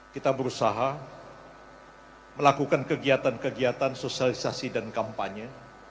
kita berusaha melakukan kegiatan kegiatan sosialisasi dan kampanye